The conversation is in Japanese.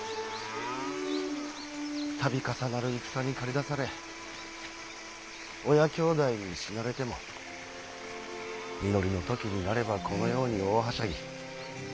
度重なる戦に駆り出され親兄弟に死なれても実りの時になればこのように大はしゃぎ。